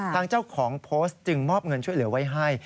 ทางเจ้าของโพสต์จึงมอบเงินช่วยเหลือไว้ให้